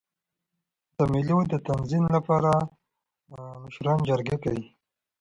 د مېلو د تنظیم له پاره مشران جرګه کوي.